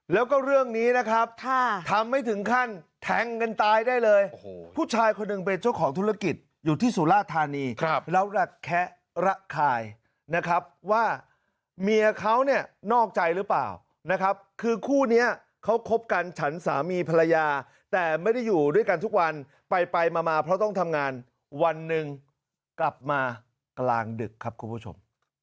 แล้วก็เรื่องนี้นะครับทำไม่ถึงขั้นแทงกันตายได้เลยผู้ชายคนหนึ่งเป็นเจ้าของธุรกิจอยู่ที่สุราธานีแล้วระแคะระคายนะครับว่าเมียเขาเนี่ยนอกใจหรือเปล่านะครับคือคู่นี้เขาคบกันฉันสามีภรรยาแต่ไม่ได้อยู่ด้วยกันทุกวันไปไปมามาเพราะต้องทำงานวันหนึ่งกลับมากลางดึกครับคุณผู้ชม